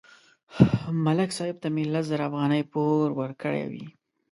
ملک صاحب ته مې لس زره افغانۍ پور ورکړې وې